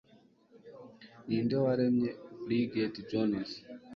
Ninde waremye Bridget Jones?